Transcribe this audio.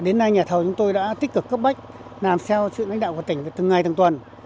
đến nay nhà thầu chúng tôi đã tích cực cấp bách làm theo sự lãnh đạo của tỉnh từng ngày từng tuần